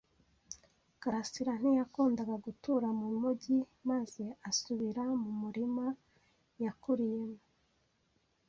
karasira ntiyakundaga gutura mu mujyi maze asubira mu murima yakuriyemo.